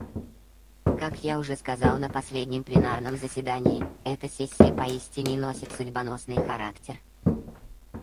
Как я уже сказал на последнем пленарном заседании, эта сессия поистине носит судьбоносный характер.